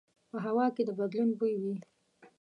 په هوا کې د بدلون بوی وي